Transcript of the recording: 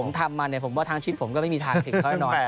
ผมทำมาเนี่ยผมว่าทางชีพผมก็ไม่มีทางถึงเขาให้นอน